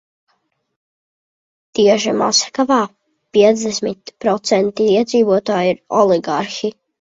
Tieši Maskavā piecdesmit procenti iedzīvotāju ir oligarhi.